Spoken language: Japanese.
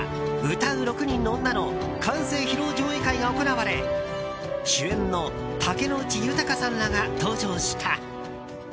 「唄う六人の女」の完成披露上映会が行われ主演の竹野内豊さんらが登場した。